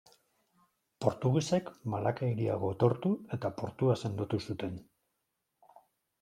Portugesek Malaka Hiria gotortu, eta portua sendotu zuten.